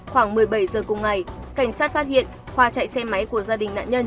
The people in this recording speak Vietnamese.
khoảng một mươi bảy giờ cùng ngày cảnh sát phát hiện khoa chạy xe máy của gia đình nạn nhân